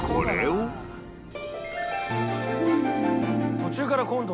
途中から今度。